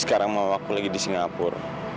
sekarang mamaku lagi di singapur